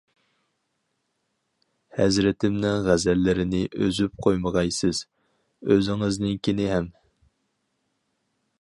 ھەزرىتىمنىڭ غەزەللىرىنى ئۈزۈپ قويمىغايسىز، ئۆزىڭىزنىڭكىنى ھەم.